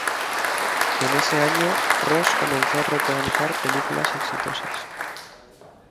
En ese año, Ross comenzó a protagonizar películas exitosas.